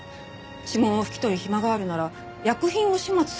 指紋を拭き取る暇があるなら薬品を始末すればよかったのに。